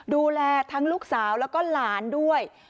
ดูแลทั้งลูกสาวแล้วก็หลานด้วย